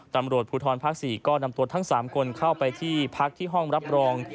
ตำรวจภูทรภาค๔ก็นำตัวทั้ง๓คนเข้าไปที่พักที่ห้องรับรอง